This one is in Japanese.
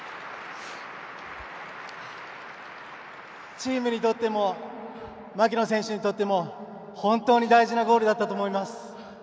チームにとっても槙野選手にとっても本当に大事なゴールだったと思います。